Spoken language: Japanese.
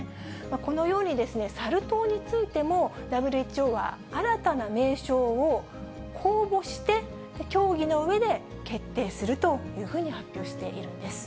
このようにサル痘についても、ＷＨＯは新たな名称を公募して、協議のうえで決定するというふうに発表しているんです。